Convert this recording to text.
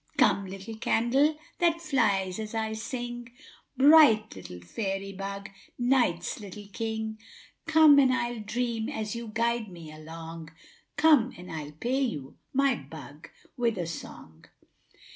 = ```Come, little candle, that flies as I sing, ```Bright little fairy bug, night's little king; ```Come and I'll dream, as you guide me along; ```Come and I'll pay you, my bug, with a song.